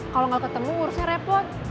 kalau gak ketemu urusnya repot